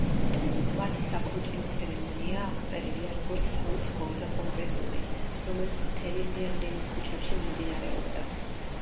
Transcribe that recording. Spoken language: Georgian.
მათი საქორწინო ცერემონია აღწერილია როგორც „საუცხოო და პომპეზური“, რომელიც მთელი ბერლინის ქუჩებში მიმდინარეობდა.